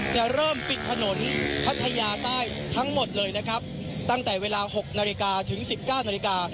จะเริ่มปิดถนนพัทยาใต้ทั้งหมดเลยนะครับตั้งแต่เวลา๖นาฬิกาถึง๑๙นาฬิกา